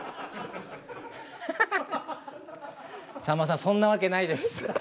さんまさんそんなわけないです。